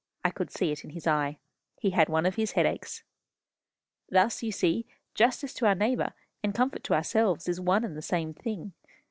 I could see it in his eye. He had one of his headaches.' Thus, you see, justice to our neighbour, and comfort to ourselves, is one and the same thing.